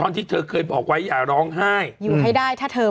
นี้เตรียญร้องเพลงวาดไว้เนี้ย